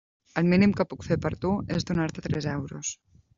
El mínim que puc fer per tu és donar-te tres euros.